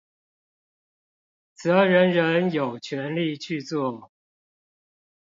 則人人有權利去做